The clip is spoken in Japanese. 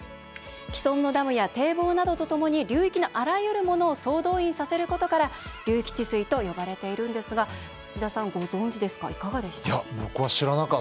既存のダムや堤防などとともに流域のあらゆるものを総動員させることから流域治水と呼ばれているんですが土田さん、ご存じですか？